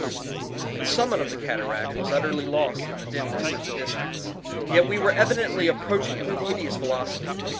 The summit of the cataract was utterly lost in the dimness and the distance. Yet we were evidently approaching it with a hideous velocity.